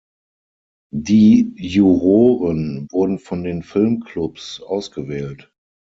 Die Juroren wurden von den Filmklubs ausgewählt.